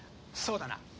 そうだな